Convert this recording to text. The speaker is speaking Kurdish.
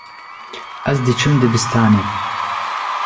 Ez diçim dibistanê.